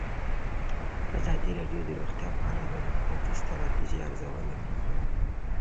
ازادي راډیو د روغتیا په اړه د حکومتي ستراتیژۍ ارزونه کړې.